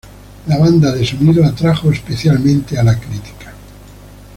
La banda de sonido atrajo especialmente crítica.